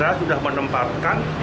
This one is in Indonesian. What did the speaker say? saya sudah menempatkan